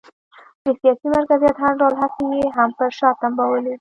د سیاسي مرکزیت هر ډول هڅې یې هم پر شا تمبولې.